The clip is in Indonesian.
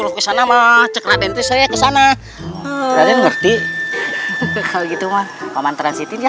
race mas cekra dentro saya kesana raden ngerti itu mah paman transitin ya